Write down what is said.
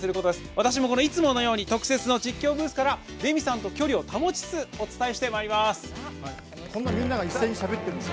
私もいつものように特設の実況ブースからレミさんと距離を保ちつつお伝えしてまいります。